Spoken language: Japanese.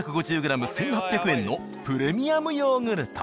１、８００円のプレミアムヨーグルト。